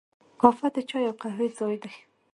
کافه د چای او قهوې ځای دی.